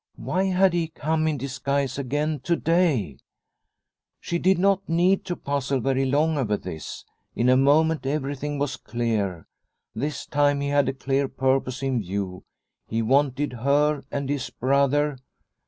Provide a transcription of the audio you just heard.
Why had he come in disguise again to day ? She did not need to puzzle very long over this ; in a moment everything was clear. This time he had a clear purpose in view, he wanted her and his brother